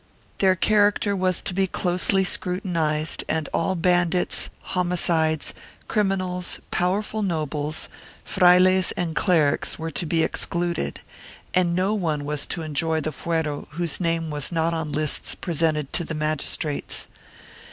Their char acter was to be closely scrutinized and all bandits, homicides, criminals, powerful nobles, frailes and clerics were to be excluded, and no one was to enjoy the fuero whose name was not on lists presented to the magistrates.